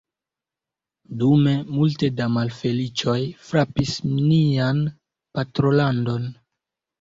Dume, multe da malfeliĉoj frapis nian patrolandon.